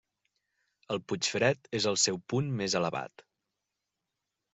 El Puigfred és el seu punt més elevat.